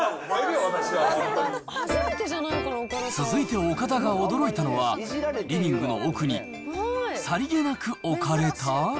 続いて岡田が驚いたのは、リビングの奥にさりげなく置かれた。